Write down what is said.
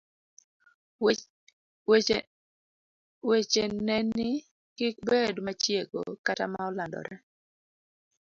wecheneni kik bed machieko kata ma olandore.